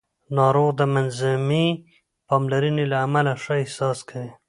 ناروغ د منظمې پاملرنې له امله ښه احساس کوي